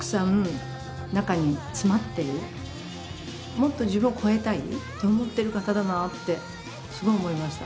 もっと自分を超えたいと思ってる方だなってすごい思いました。